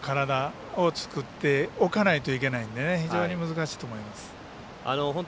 気持ちと体を作っておかなければいけないので非常に難しいと思います。